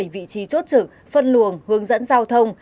bảy vị trí chốt trực phân luồng hướng dẫn giao thông